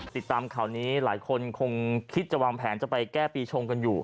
ติดตามข่าวนี้หลายคนคงคิดจะวางแผนจะไปแก้ปีชงกันอยู่